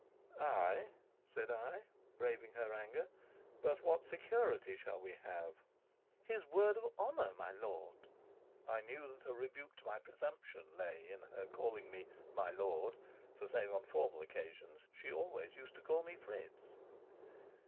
"Ay," said I, braving her anger, "but what security shall we have?" "His word of honor, my lord." I knew that a rebuke to my presumption lay in her calling me "my lord," for, save on formal occasions, she always used to call me Fritz.